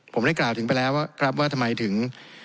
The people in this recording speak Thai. ผมได้กล่าวถึงไปแล้วครับว่าทำไมถึง